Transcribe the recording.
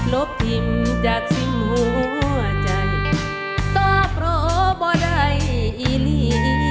ลบทิ้งจากสิ่งหัวใจต่อเพราะบ่ได้อีลี